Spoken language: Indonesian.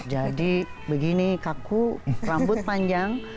jadi begini kaku rambut panjang